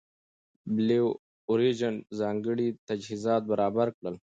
بلو اوریجن ځانګړي تجهیزات برابر کړل.